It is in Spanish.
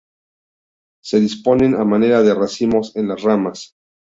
Se disponen a manera de racimos en las ramas.